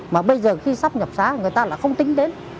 mà bây giờ khi sắp nhập xã người ta là không tính đến